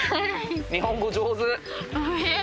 日本語上手！